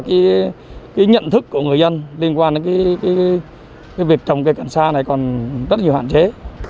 cái nhận thức của người dân liên quan đến cái việc trồng cây cảnh sa này còn rất nhiều hạn chế